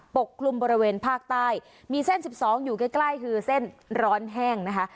กลุ่มบริเวณภาคใต้มีเส้น๑๒อยู่ใกล้คือเส้นร้อนแห้งนะคะ